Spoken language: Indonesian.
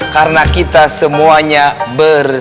karena kita semuanya ber